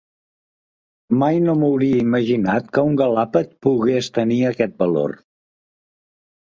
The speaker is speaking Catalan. Mai no m’hauria imaginat que un galàpet pogués tenir aquest valor.